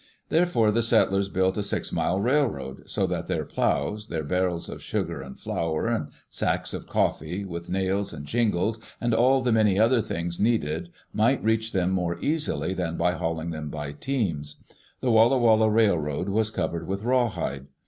Therefore the settlers built a six mile railroad, so that their plows, their barrels of sugar and flour and sacks of coffee, with nails and shingles, and all the many other things needed, might reach them more easily than by haul ing them by teams. The Walla Walla Railroad was cov ered with rawhide.